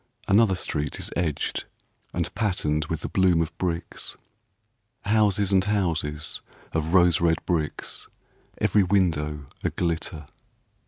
Another street is edged and patterned With the bloom of bricks, Houses and houses of rose red bricks, Every window a glitter.